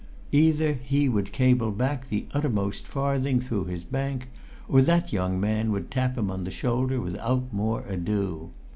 Either he would cable back the uttermost farthing through his bank, or that young man would tap him on the shoulder without more ado.